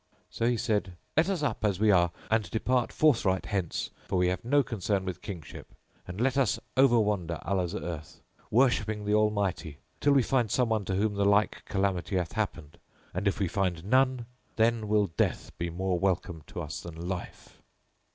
So he said, "Let us up as we are and depart forthright hence, for we have no concern with Kingship, and let us overwander Allah's earth, worshipping the Almighty till we find some one to whom the like calamity hath happened; and if we find none then will death be more welcome to us than life."